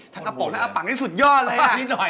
ทั้งอปอกแล้วอปังนี่สุดยอดเลย